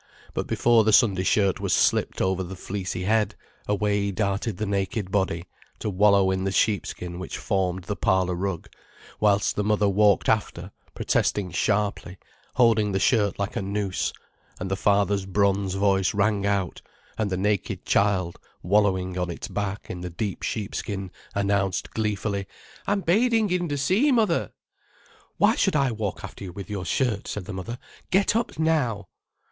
But before the Sunday shirt was slipped over the fleecy head, away darted the naked body, to wallow in the sheepskin which formed the parlour rug, whilst the mother walked after, protesting sharply, holding the shirt like a noose, and the father's bronze voice rang out, and the naked child wallowing on its back in the deep sheepskin announced gleefully: "I'm bading in the sea, mother." "Why should I walk after you with your shirt?" said the mother. "Get up now."